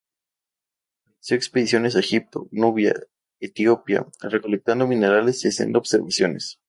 Realizó expediciones a Egipto, Nubia, Etiopía, recolectando minerales y haciendo observaciones.